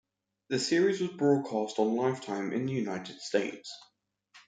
The series was broadcast on Lifetime in the United States.